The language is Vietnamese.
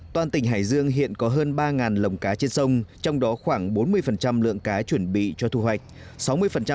toàn tỉnh hải dương hiện có hơn ba lồng cá trên sông trong đó khoảng bốn mươi lượng cá chuẩn bị cho thu hoạch